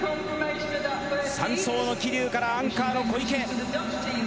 ３走の桐生からアンカーの小池。